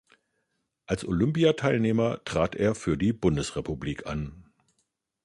Als Olympiateilnehmer trat er für die Bundesrepublik an.